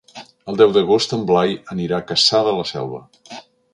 El deu d'agost en Blai anirà a Cassà de la Selva.